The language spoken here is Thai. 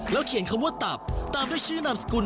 เขียนคำว่าตับตามด้วยชื่อนามสกุล